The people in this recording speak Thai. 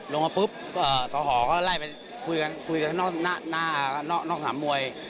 ลงมาปุ๊บเอ่อสาวหอเขาไล่ไปคุยกันคุยกันหน้าหน้าหน้าหน้าถนัมมวย